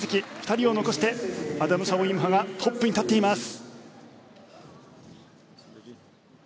２人を残してアダム・シャオ・イム・ファがトップに立っています。